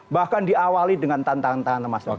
bahkan diawali dengan tantangan tantangan masyarakat